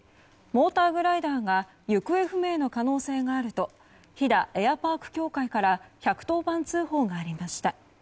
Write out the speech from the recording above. モーターグライダーが行方不明の可能性があると飛騨エアパーク協会から１１０番通報がありました。